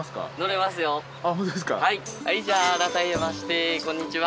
はいじゃあ改めましてこんにちは。